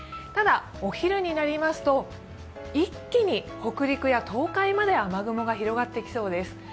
ただ、お昼になりますと一気に北陸や東海まで雨雲が広がってきそうです。